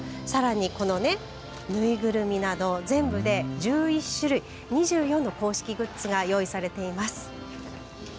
さらにこのぬいぐるみなど全部で１１種類２４の公式グッズが用意されています。